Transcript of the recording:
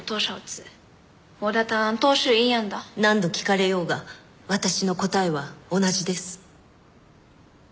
何度聞かれようが私の答えは同じです。